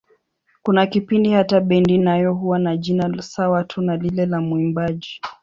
Kuna kipindi hata bendi nayo huwa na jina sawa tu na lile la mwimbaji.